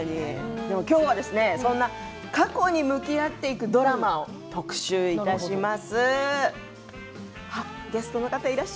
今日は過去に向き合っていくドラマを特集いたします。